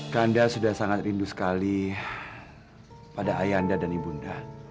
kanda sudah sangat rindu sekali pada ayah anda dan ibunda